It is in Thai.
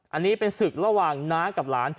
อันนี้เป็นศึกระหว่างน้ากับหลาน